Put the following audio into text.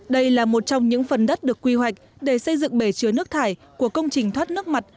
đây là một trong những phần đất được quy hoạch để xây dựng bể chứa nước thải của công trình thoát nước mặt